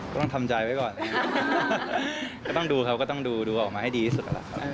ก็ต้องทำใจไว้ก่อนก็ต้องดูครับดูออกมาให้ดีสุด